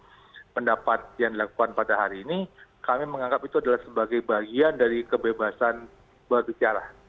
jadi pendapat yang dilakukan pada hari ini kami menganggap itu adalah sebagai bagian dari kebebasan berbicara